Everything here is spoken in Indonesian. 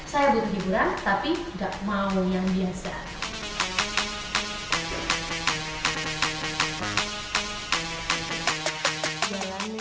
saya butuh hiburan tapi nggak mau yang biasa